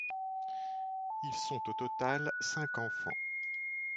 Ils sont au total cinq enfants.